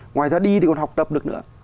ngoài ra đi thì còn học tập được nữa